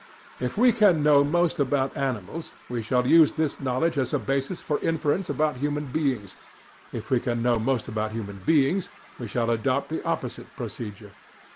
If we can know most about animals, we shall use this knowledge as a basis for inference about human beings; if we can know most about human beings, we shall adopt the opposite procedure.